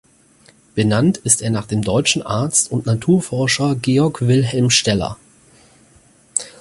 Benannt ist er nach dem deutschen Arzt und Naturforscher Georg Wilhelm Steller.